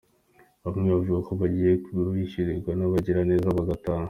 Bamwe bavuga ko bagiye bishyurirwa n’abagira neza bagataha.